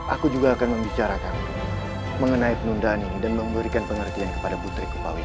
aku juga akan membicarakan mengenai penundaan ini dan memberikan pengertian kepada putri kupawi